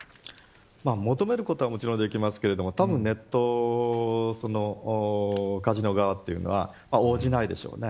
求めることはできるんでしょうけど、たぶんネットカジノ側というのは応じないでしょうね。